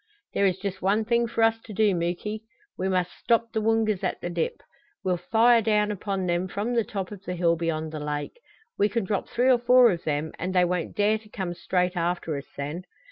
"There is just one thing for us to do, Muky. We must stop the Woongas at the dip. We'll fire down upon them from the top of the hill beyond the lake. We can drop three or four of them and they won't dare to come straight after us then.